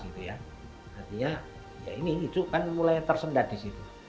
artinya ya ini ijuk kan mulai tersendat di situ